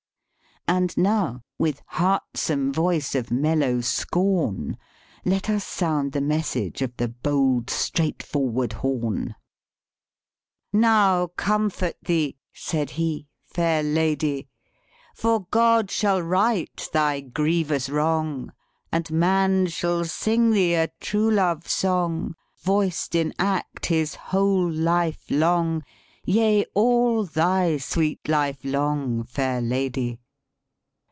And now, with "heartsome voice of mel low scorn/' let us sound the message of the "bold straightforward horn." "' Now comfort thee,' said he, ' Fair Lady. ,For God shall right thy grievous wrong, And man shall sing thee a true love song, Voiced in act his whole life long, Yea, all thy sweet life long, Fair Lady.